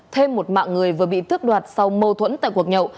thêm một mạng người vừa bị tước đoạt sau mâu thuẫn tại cuộc nhậu